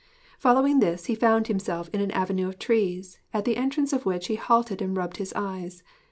Following this, he found himself in an avenue of trees, at the entrance of which he halted and rubbed his eyes.